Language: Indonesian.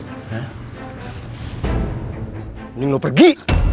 mending kamu pergi